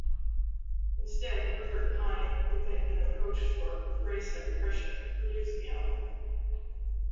Instead, Rupert Hine, who had been approached for "Grace Under Pressure", produced the album.